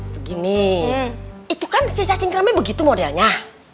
begini itu kan si cacing krami begitu modelnya